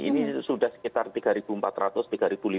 ini sudah sekitar rp tiga empat ratus tiga lima ratus